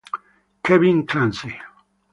Kevin Clancy